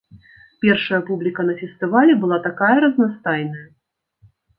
Першая публіка на фестывалі была такая разнастайная!